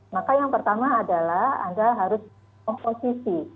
maka yang pertama adalah anda harus komposisi